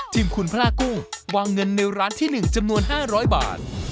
ทีมคุณพระกุ้งวางเงินในร้านที่๑จำนวน๕๐๐บาท